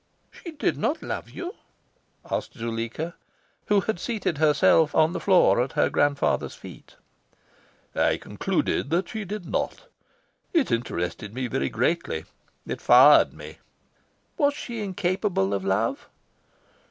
"She did not love you?" asked Zuleika, who had seated herself on the floor at her grandfather's feet. I concluded that she did not. It interested me very greatly. It fired me. "Was she incapable of love?"